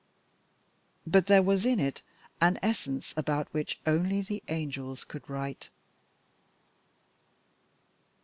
But there was in it an essence about which only the angels could write.